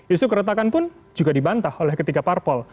isu keretakan pun juga dibantah oleh ketiga parpol